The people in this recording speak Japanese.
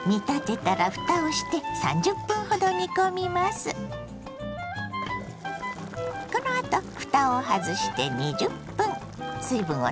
このあとふたを外して２０分水分を飛ばしてね。